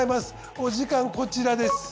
お時間こちらです。